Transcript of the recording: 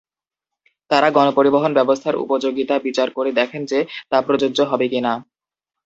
তারা গণপরিবহন ব্যবস্থার উপযোগিতা বিচার করে দেখেন যে, তা প্রযোজ্য হবে কি না।